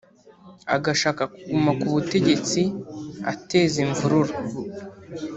agashaka kuguma ku butegetsi ateza imvururu